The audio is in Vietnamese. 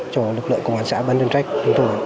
cho lực lượng công an xã ban chuyên trách